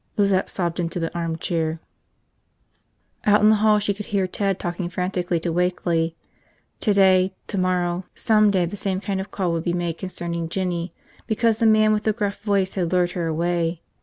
Lizette sobbed into the chair arm. Out in the hall she could hear Ted talking frantically to Wakeley. Today, tomorrow, some day the same kind of call would be made concerning Jinny because the man with the gruff voice had lured her away.